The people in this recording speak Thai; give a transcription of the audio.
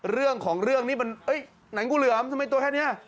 เรื่องของเรื่องนี่มันหนังงูเหลือมทำไมตัวแค่นี้